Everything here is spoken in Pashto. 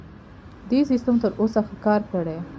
دې سیستم تر اوسه ښه کار کړی.